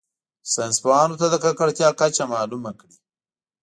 ساینس پوهانو ته د ککړتیا کچه معلومه کړي.